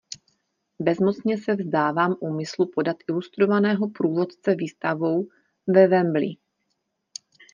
Bezmocně se vzdávám úmyslu podat ilustrovaného průvodce výstavou ve Wembley.